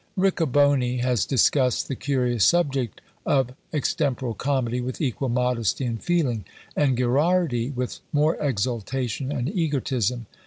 Riccoboni has discussed the curious subject of Extemporal Comedy with equal modesty and feeling; and Gherardi, with more exultation and egotism.